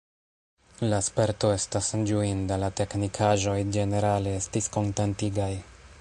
La sperto estis ĝuinda, la teknikaĵoj ĝenerale estis kontentigaj.